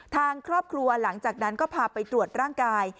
ทางครอบครัวหลังจากนั้นก็พาไปตรวจร่างกาย